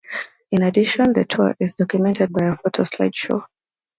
In addition, the tour is documented by a photo slideshow.